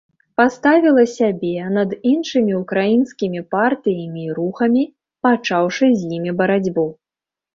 Паставіла сябе над іншымі ўкраінскімі партыямі і рухамі, пачаўшы з імі барацьбу.